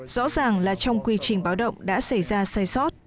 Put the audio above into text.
rõ ràng là trong quy trình báo động đã xảy ra sai sót